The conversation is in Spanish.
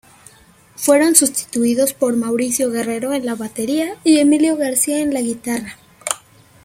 Fueron sustituidos por Mauricio Guerrero en la batería y Emilio García en la guitarra.